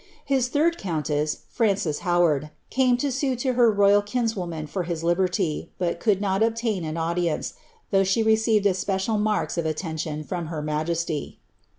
His ss, Frances Howard, came ti> sue lo her royal kinswomiii for his liberty, but could nut obtain an audience, though she received especial marks of attention from lier majesty.